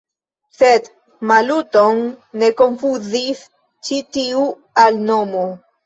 Sed Maluton ne konfuzis ĉi tiu alnomo.